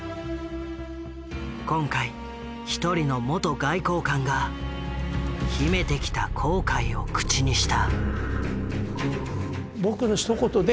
今回一人の元外交官が秘めてきた後悔を口にした。